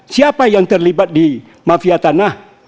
siapa yang terlibat di mafia tanah